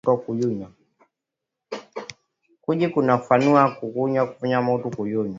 Kuji fanya kuyuwa kuna fanya mutu kuto kuyuwa